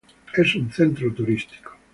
Es un centro turístico.